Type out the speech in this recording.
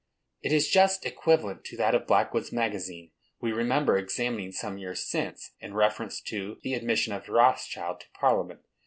It is just equivalent to that of Blackwood's Magazine, we remember examining some years since, in reference to the admission of Rothschild to Parliament.